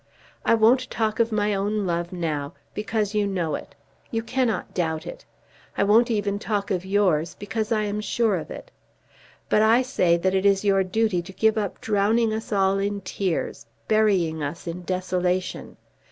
I won't talk of my own love now, because you know it. You cannot doubt it. I won't even talk of yours, because I am sure of it. But I say that it is your duty to give up drowning us all in tears, burying us in desolation.